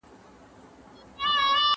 هره هڅه چې د اوبو ساتنې لپاره وشي، ګټه لري.